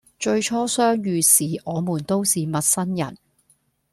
最初相遇時我們都是陌生人